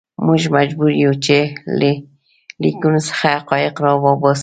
موږ مجبور یو چې له لیکنو څخه حقایق راوباسو.